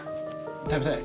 食べたい。